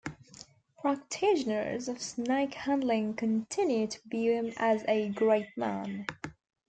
Practitioners of snake handling continue to view him as a great man.